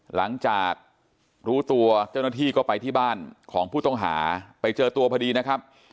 หลังจากรู้ตัวเจ้าหน้าที่ก็ไปที่บ้านของผู้ต้องหาไปเจอตัวพอดีนะครับ